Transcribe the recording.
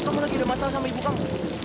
kamu lagi ada masalah sama ibu kamu